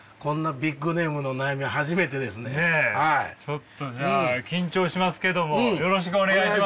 ちょっとじゃあ緊張しますけどもよろしくお願いします。